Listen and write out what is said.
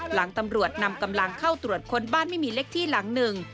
หลังตำรวจนำกำลังเข้าตรวจค้นบ้านไม่มีเล็กที่หลังหนึ่ง